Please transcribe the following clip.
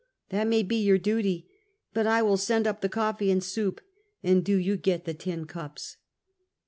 "That may be your duty; but I will send up the coffee and soup, and do you get the tin cups."